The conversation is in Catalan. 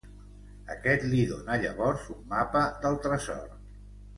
Aquest li dóna llavors un mapa del tresor.